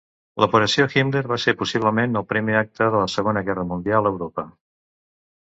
L'Operació Himmler va ser possiblement el primer acte de la Segona Guerra Mundial a Europa.